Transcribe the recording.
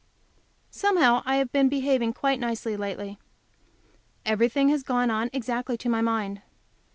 Somehow I have been behaving quite nicely lately. Everything has gone on exactly to my mind.